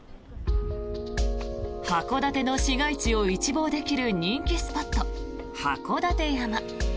函館の市街地を一望できる人気スポット、函館山。